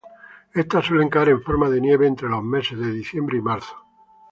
Estas suelen caer en forma de nieve entre los meses de diciembre y marzo.